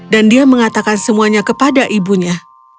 dan dia mengatakan semuanya kepada ibunya